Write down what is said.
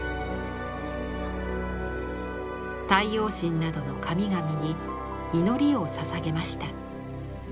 太陽神などの神々に祈りをささげました。